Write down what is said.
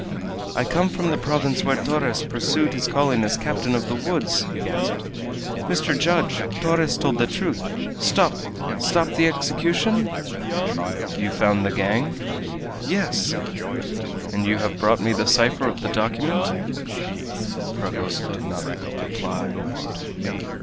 "I come from the province where Torres pursued his calling as captain of the woods!" he gasped. "Mr. Judge, Torres told the truth. Stop stop the execution?" "You found the gang?" "Yes." "And you have brought me the cipher of the document?" Fragoso did not reply.